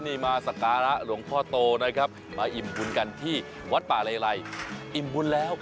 นี่มาสการะหลวงพ่อโตนะครับมาอิ่มบุญกันที่วัดป่าเลไลอิ่มบุญแล้ว